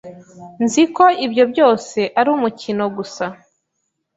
Nzi ko ibyo byose ari umukino gusa.